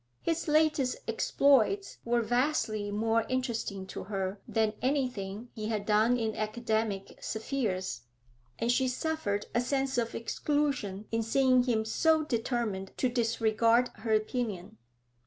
His latest exploits were vastly more interesting to her than anything he had done in academic spheres, and she suffered a sense of exclusion in seeing him so determined to disregard her opinion.